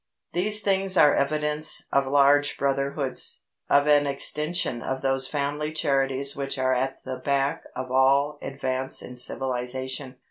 These things are evidence of large brotherhoods, of an extension of those family charities which are at the back of all advance in civilisation.